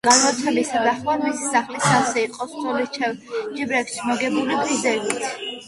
გადმოცემის თანახმად, მისი სახლი სავსე იყო სროლით შეჯიბრებებში მოგებული პრიზებით.